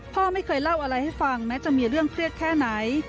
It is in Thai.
พ่อไม่เคยเล่าอะไรให้ฟังแม้จะมีเรื่องเครียดแค่ไหน